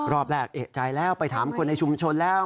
รอบแรกเอกใจแล้วไปถามคนในชุมชนแล้ว